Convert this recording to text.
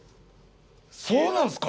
そうなんですか？